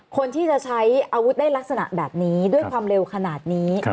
คนที่จะใช้อาวุธได้ลักษณะแบบนี้ด้วยความเร็วขนาดนี้